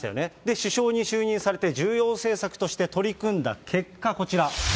首相に就任されて、重要政策として取り組んだ結果、こちら。